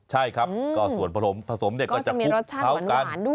ใช่ครับก็ส่วนผสมเนี่ยก็จะคลุกเท่ากัน